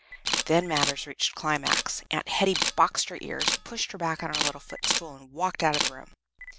Then matters reached a climax. Aunt Hetty boxed her ears, pushed her back on her little footstool, and walked out of the room.